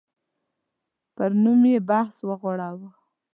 پر نوم یې بحث وغوړاوه.